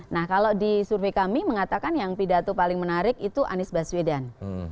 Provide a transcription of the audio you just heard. nah kalau di survei kami mengatakan yang pidato paling menarik itu anies baswedan